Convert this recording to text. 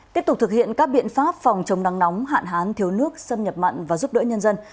tiếp tục thực hiện các biện pháp phòng chống nắng nóng hạn hán thiếu nước xâm nhập mặn và giúp đỡ nhân dân